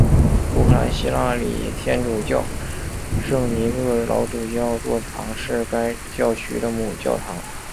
乌克兰希腊礼天主教圣尼各老主教座堂是该教区的母教堂。